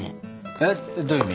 えどういう意味？